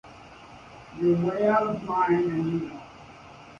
You're way out of line and you know it.